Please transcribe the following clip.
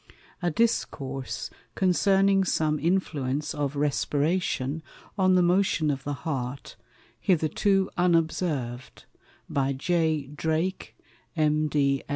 _A Discourse concerning some Influence of Respiration on the Motion of the Heart, hitherto unobserved. By J. Drake, M.